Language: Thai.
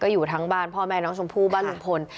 อยู่ทั้งบ้านพ่อแม่น้องชมพู่บ้านลุงพล